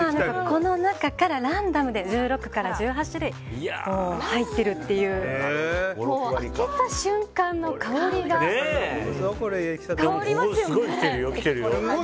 この中からランダムで１６から１８種類開けた瞬間の香りが香りますよね。